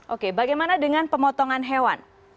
oke bagaimana dengan pemotongan hewan